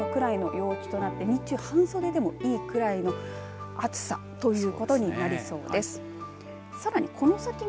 ２５度以上となると汗ばむくらいの陽気となって日中半袖でもいいくらいの暑さということになりそうです。